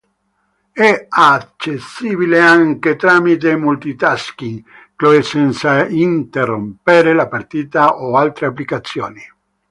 È accessibile anche tramite multitasking, cioè senza interrompere la partita o altre applicazioni.